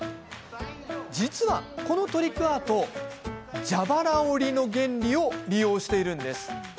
実は、このトリックアート蛇腹折りの原理を利用しているんです。